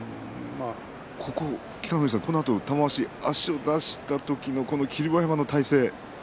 北の富士さん、このあと玉鷲足を出した時のこの霧馬山の体勢。